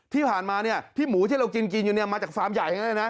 ที่ผ่านมาที่หมูที่เรากินมาจากฟาร์มใหญ่